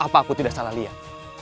apa aku tidak salah lihat